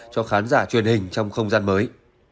cho khán giả truyền hình trong không gian mới